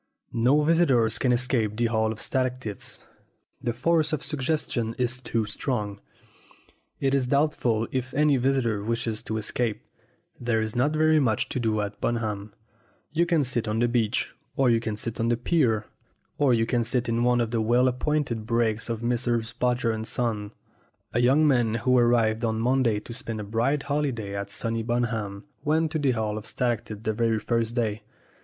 No visitor can escape the Hall of Stalactites the force of suggestion is too strong. It is doubtful if any visitor wishes to escape. There is not very much to do at Bunham. You can sit on the beach, or you can sit on the pier, or you can sit in one of the well appointed brakes of Messrs. Bodger & Son. A young man who arrived one Monday to spend a bright holiday at sunny Bunham went to the Hall of Stalactites the very first day.